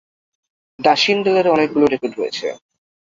The শিল্ডের অনেকগুলো রেকর্ড রয়েছে।